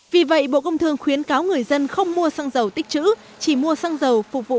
vì vậy bộ công thương khuyến cáo người dân không mua xăng dầu tích chữ chỉ mua xăng dầu phục vụ